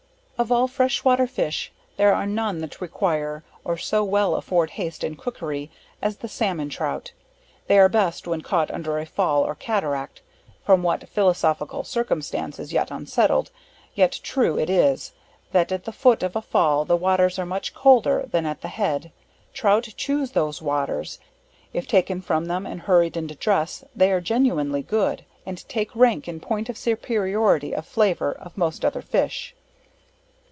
Of all fresh water fish, there are none that require, or so well afford haste in cookery, as the Salmon Trout, they are best when caught under a fall or cateract from what philosophical circumstance is yet unsettled, yet true it is, that at the foot of a fall the waters are much colder than at the head; Trout choose those waters; if taken from them and hurried into dress, they are genuinely good; and take rank in point of superiority of flavor, of most other fish.